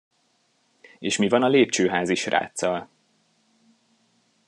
És mi van a lépcsőházi sráccal?